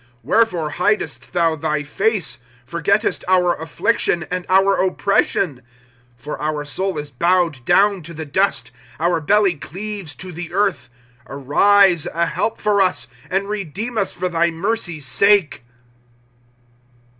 ^* Wherefore hidest thou thy face, Porgettest our affliction and our oppression ?^^ For our soul is bowed down to the dust. Our belly cleaves to the earth. ^'^ Arise, a help for us, And redeem us for thy mercy's sake.